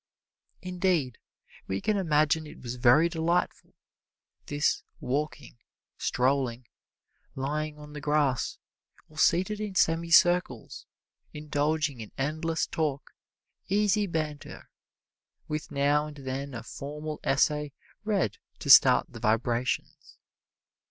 Indeed, we can imagine it was very delightful this walking, strolling, lying on the grass, or seated in semicircles, indulging in endless talk, easy banter, with now and then a formal essay read to start the vibrations.